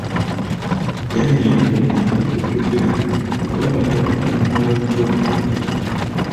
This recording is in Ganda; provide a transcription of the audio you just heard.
Yanneewuunya okujjukira kuba batono abayinza okujjukira.